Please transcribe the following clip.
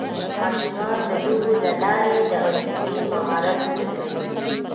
ماشومان د لوبو له لارې د حوصلې مهارت زده کوي